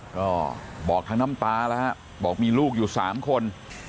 ก็บอกทั้งน้ำตาแล้วฮะบอกมีลูกอยู่๓คน